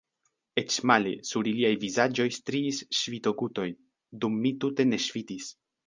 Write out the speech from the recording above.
Eĉ male – sur iliaj vizaĝoj striis ŝvito-gutoj, dum mi tute ne ŝvitis.